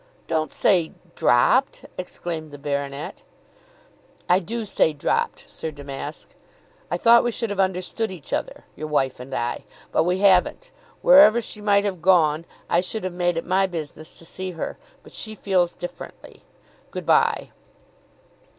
"Don't say dropped," exclaimed the baronet. "I do say dropped, Sir Damask. I thought we should have understood each other; your wife and I. But we haven't. Wherever she might have gone, I should have made it my business to see her; but she feels differently. Good bye."